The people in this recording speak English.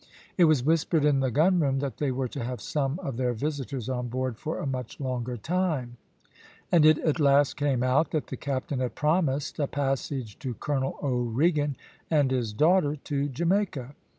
It was whispered in the gunroom that they were to have some of their visitors on board for a much longer time, and it at last came out that the captain had promised a passage to Colonel O'Regan and his daughter to Jamaica.